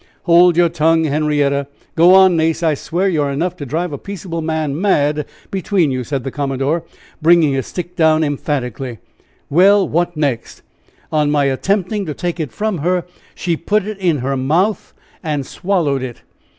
"Hold your tongue, Henrietta. Go on, Nace. I swear you are enough to drive a peaceable man mad between you," said the commodore, bringing his stick down emphatically. "Well what next?" "On my attempting to take it from her she put it in her mouth and swallowed it."